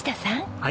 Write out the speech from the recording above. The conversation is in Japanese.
はい。